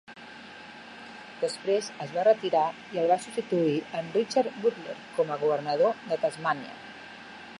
Després es va retirar i el va substituir en Richard Butler com a governador de Tasmània.